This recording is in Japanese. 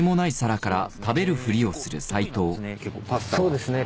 そうですね。